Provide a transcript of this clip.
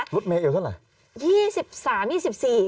รุ่นเมล์เอวเท่าไหร่